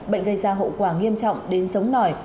bệnh gây ra hậu quả nghiêm trọng đến giống nổi